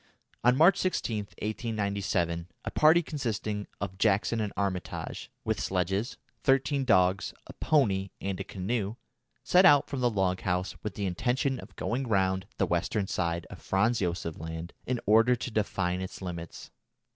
On March 16, 1897, a party consisting of Jackson and Armitage, with sledges, thirteen dogs, a pony, and a canoe, set out from the log house with the intention of going round the western side of Franz Josef Land in order to define its limits.